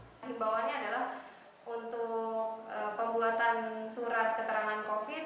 pembawanya adalah untuk pembuatan surat keterangan covid sembilan belas